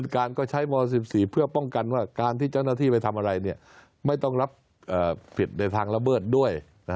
การก็ใช้ม๑๔เพื่อป้องกันว่าการที่เจ้าหน้าที่ไปทำอะไรไม่ต้องรับผิดในทางระเบิดด้วย